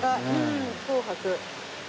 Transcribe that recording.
紅白。